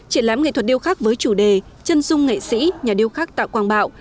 triển lãm nghệ thuật điêu khắc với chủ đề chân dung nghệ sĩ nhà điêu khắc tạ quang bạo